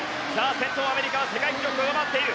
先頭のアメリカは世界記録を上回っている。